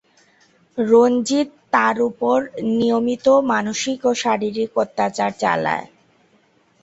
রঞ্জিত তার ওপর নিয়মিত মানসিক ও শারীরিক অত্যাচার চালায়।